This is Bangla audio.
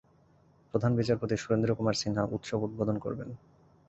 প্রধান বিচারপতি সুরেন্দ্র কুমার সিনহা উৎসব উদ্বোধন করবেন।